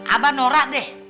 abah norak deh